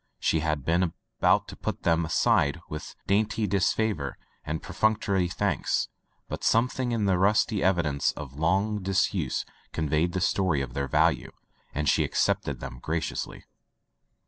She had been about to put them aside with dainty disfavor and perfunctory thanks, but something in the rusty evidence of long disuse conveyed the story of their value, and she accepted them graciously.